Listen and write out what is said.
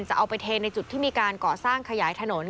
จะเอาไปเทในจุดที่มีการก่อสร้างขยายถนน